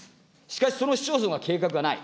しかしその市町村が計画がない。